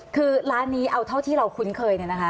คือร้านนี้เอาเท่าที่เราคุ้นเคยเนี่ยนะคะ